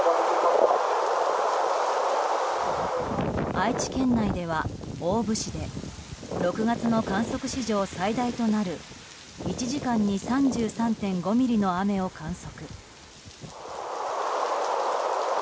愛知県内では大府市で６月の観測史上最大となる１時間に３３．５ミリの雨を観測。